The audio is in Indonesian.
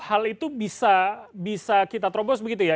hal itu bisa kita terobos begitu ya